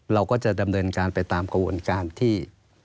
เราก็จะดำเนินการไปตามกระบวนการที่